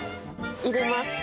入れます。